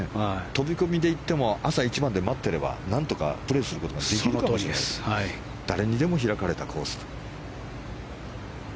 飛び込みで行っても朝一番で待っていればなんとかプレーすることができるという誰にでも開かれたコース。